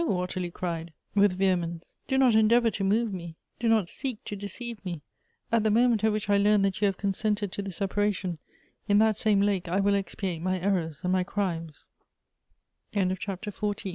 Ottilie cried with vehe mence, " do not endeavor to move me ; do not seek to deceive me. At the moment at which I learn that you have consented to the separation, in that same lake I will expiate my erro